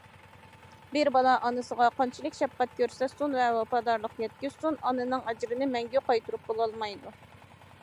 بىر بالا ئانىسىغا قانچىلىك شەپقەت كۆرسەتسۇن ۋە ۋاپادارلىق يەتكۈزسۇن ئانىنىڭ ئەجرىنى مەڭگۈ قايتۇرۇپ بولالمايدۇ.